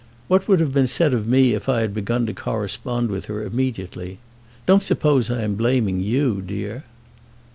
What would have been said of me if I had begun to correspond with her immediately? Don't suppose I am blaming you, dear."